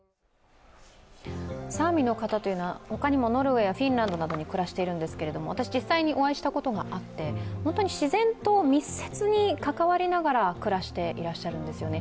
サーミの方というのは他にもノルウェーやフィンランドにもいらっしゃるんですけど、私実際にお会いしたことがあって、本当に自然と密接に関わりながら暮らしていらっしゃるんですよね。